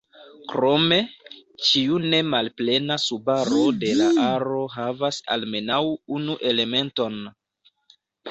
Krome, ĉiu ne malplena subaro de la aro havas almenaŭ unu elementon.